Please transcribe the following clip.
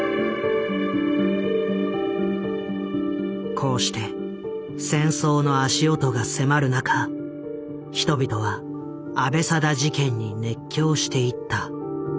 こうして戦争の足音が迫る中人々は阿部定事件に熱狂していった。